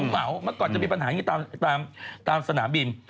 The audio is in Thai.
เหมาเมื่อก่อนจะมีปัญหาอย่างนี้ตามสนามบิน